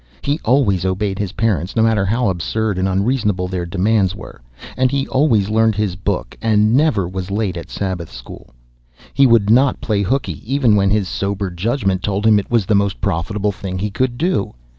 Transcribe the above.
He always obeyed his parents, no matter how absurd and unreasonable their demands were; and he always learned his book, and never was late at Sabbath school. He would not play hookey, even when his sober judgment told him it was the most profitable thing he could do.